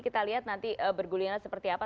kita lihat nanti bergulirnya seperti apa